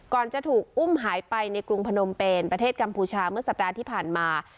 จะถูกอุ้มหายไปในกรุงพนมเป็นประเทศกัมพูชาเมื่อสัปดาห์ที่ผ่านมา